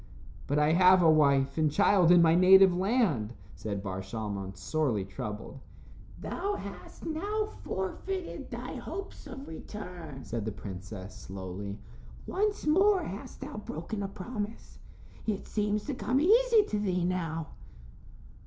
"But I have a wife and child in my native land," said Bar Shalmon, sorely troubled. "Thou hast now forfeited thy hopes of return," said the princess, slowly. "Once more hast thou broken a promise. It seems to come easy to thee now."